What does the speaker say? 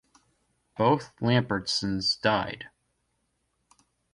Both Lambertsons died.